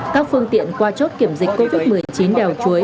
các phương tiện qua chốt kiểm dịch covid một mươi chín đào chuối